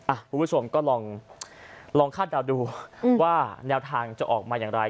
คุณผู้ชมก็ลองคาดเดาดูว่าแนวทางจะออกมาอย่างไร